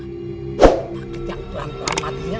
paket yang pelan pelan matinya